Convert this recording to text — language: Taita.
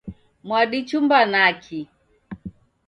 Mwadichumba naki?